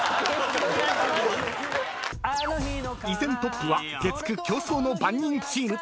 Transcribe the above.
［依然トップは月９競争の番人チーム］